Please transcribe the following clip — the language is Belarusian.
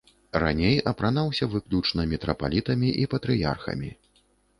Раней апранаўся выключна мітрапалітамі і патрыярхамі.